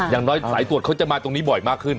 อย่างน้อยสายตรวจเขาจะมาตรงนี้บ่อยมากขึ้น